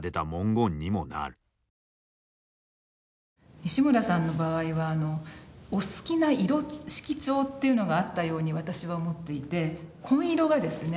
西村さんの場合はお好きな色色調というのがあったように私は思っていて紺色がですね